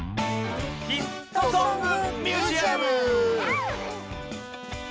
「ヒットソング・ミュージアム」！